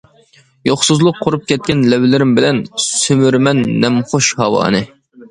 يوقسۇزلۇق قۇرۇپ كەتكەن لەۋلىرىم بىلەن، سۈمۈرىمەن نەمخۇش ھاۋانى.